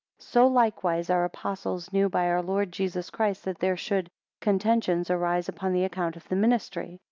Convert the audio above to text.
16 So likewise our Apostles knew by our Lord Jesus Christ, that there should contentions arise, upon account of the ministry.